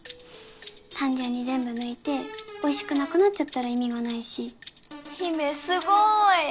単純に全部抜いておいしくなくなっちゃったら意味がないし陽芽すごい！